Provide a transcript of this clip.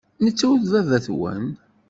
Netta ur d baba-twen.